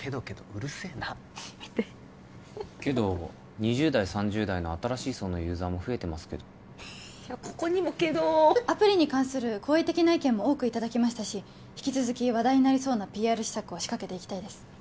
うるせえな見てけど２０代３０代の新しい層のユーザーも増えてますけどここにもケド男アプリに関する好意的な意見も多くいただきましたし引き続き話題になりそうなＰＲ施策を仕掛けていきたいです